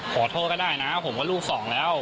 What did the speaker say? ขอโทษก็ได้นะผมก็ลูกสองแล้ว